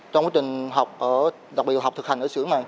trong quá trình học đặc biệt là học thực hành